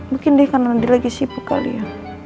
mungkin deh karena nanti lagi sibuk kali ya